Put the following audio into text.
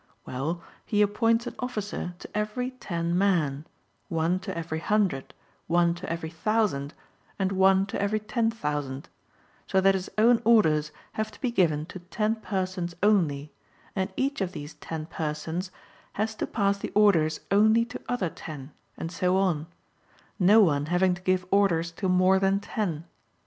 Well, he appoints an officer to every ten men, one to every hundred, one to every thousand, and one to every ten thousand, so that his own orders have to be given to ten persons only, and each of these ten persons has to pass the orders only to other ten, and so on ; no one having to give orders to more than ten.